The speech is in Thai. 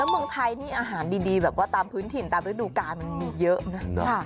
เมืองไทยนี่อาหารดีแบบว่าตามพื้นถิ่นตามฤดูกาลมันมีเยอะนะ